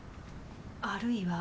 あるいは。